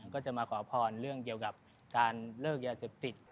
ก็จะมาขอพรเรื่องเกี่ยวกับจานเลิกยาศิษย์